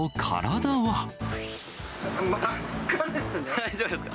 真っ赤ですね。